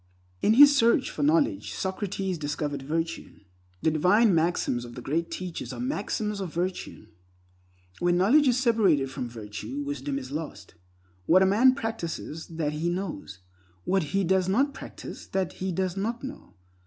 In his search for knowledge Socrates discovered virtue. The divine maxims of the Great Teachers are maxims of virtue. When knowledge is separated from virtue, wisdom is lost. What a man practices, that he knows. What he does not practice, that he does not know.